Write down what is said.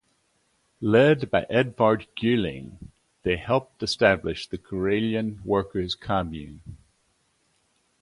Led by Edvard Gylling, they helped establish the Karelian Workers' Commune.